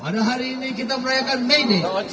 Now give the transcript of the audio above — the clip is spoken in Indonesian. pada hari ini kita merayakan mei ini